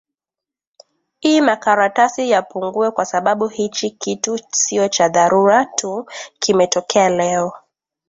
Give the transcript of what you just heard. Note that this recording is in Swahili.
i makaratasi yapungue kwa sababu hichi kitu sio cha dharura tu kimetokea leo